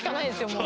もう。